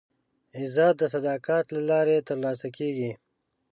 عزت د صداقت له لارې ترلاسه کېږي.